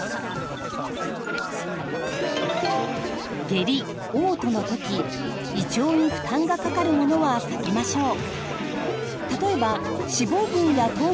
下痢おう吐のとき胃腸に負担がかかるものは避けましょう。